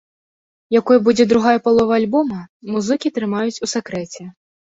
Якой будзе другая палова альбома, музыкі трымаюць у сакрэце.